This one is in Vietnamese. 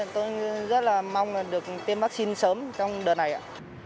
tôi rất là mong được tiêm vaccine sớm trong đợt này ạ